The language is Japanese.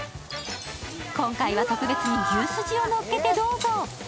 今回は特別に牛すじをのっけてどうぞ。